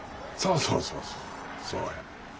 そうそうそうそう。